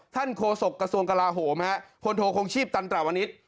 ท่านโคศกกระทรวงกราโหมพลโทคงชีพตันตราวนิท